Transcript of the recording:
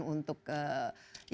mungkin kesulitan untuk